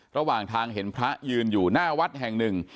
ระหว่างทางเห็นพระยืนอยู่หน้าวัดแห่งหนึ่ง